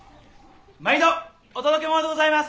・毎度お届け物でございます！